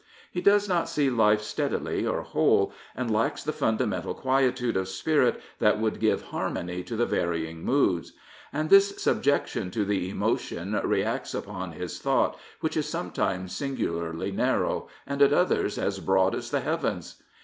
He does not see life steadily or whole, and lacks the fundamentcil quietude of spirit that would give harmony to the varying moods. And this subjection to the emotion reacts upon his thought, which is sometimes singularly narrow and at others as broad as the heavens.